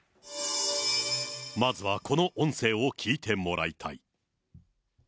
まずはこの音声を聞いてもらいたい。